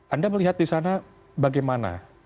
anda melihat disana bagaimana